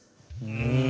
うん。